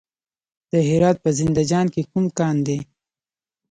د هرات په زنده جان کې کوم کان دی؟